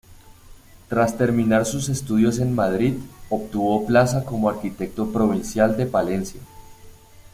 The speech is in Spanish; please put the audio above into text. Tras terminar sus estudios en Madrid, obtuvo plaza como arquitecto provincial de Palencia.